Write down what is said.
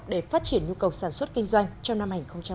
để phát triển nhu cầu sản xuất kinh doanh trong năm hai nghìn hai mươi